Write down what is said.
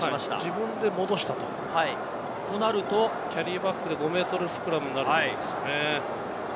自分で戻したとなると、キャリーバックで５ｍスクラムになるでしょうかね。